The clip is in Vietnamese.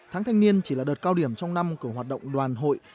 tháng thanh niên chỉ là đợt cao điểm trong năm của hoạt động đoàn hội